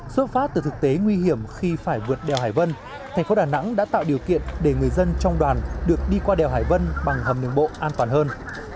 xuất phát từ thực tế nguy hiểm khi phải vượt đèo hải vân thành phố đà nẵng đã tạo điều kiện để người dân trong đoàn được đi qua đèo hải vân bằng hầm đường bộ an toàn hơn